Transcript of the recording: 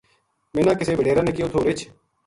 منا کسے بڈیرا نے کہیو تھو رِچھ